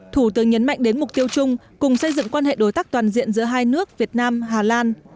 thủ tướng nhấn mạnh đến mục tiêu chung cùng xây dựng quan hệ đối tác toàn diện giữa hai nước việt nam hà lan